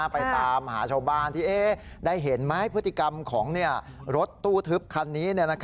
ไปตามหาชาวบ้านที่ได้เห็นไหมพฤติกรรมของรถตู้ทึบคันนี้